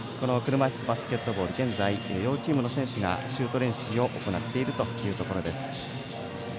車いすバスケットボール現在、両チームの選手がシュート練習を行っています。